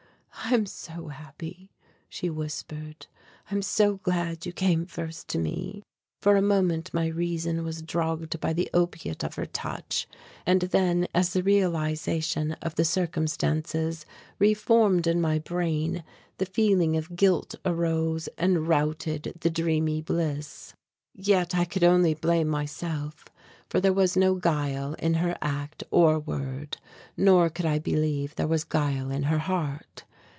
"I am so happy," she whispered. "I am so glad you came first to me." For a moment my reason was drugged by the opiate of her touch; and then, as the realization of the circumstances re formed in my brain, the feeling of guilt arose and routed the dreamy bliss. Yet I could only blame myself, for there was no guile in her act or word, nor could I believe there was guile in her heart.